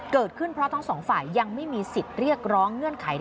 เพราะทั้งสองฝ่ายยังไม่มีสิทธิ์เรียกร้องเงื่อนไขใด